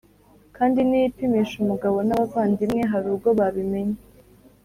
kandi niyipimisha umugabo n’abavandimwe hari ubwo babimenya.